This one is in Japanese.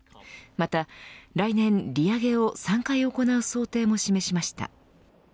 また、来年利上げを３回行う想定も示しました。